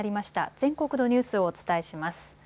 全国のニュースをお伝えします。